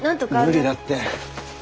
無理だって。